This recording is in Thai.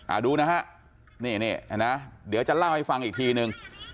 อ่าดูนะฮะนี่นี่เห็นมั้ยเดี๋ยวจะล่างไปฟังอีกทีหนึ่ง